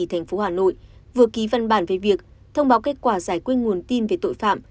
thành phố hà nội vừa ký văn bản về việc thông báo kết quả giải quyết nguồn tin về tội phạm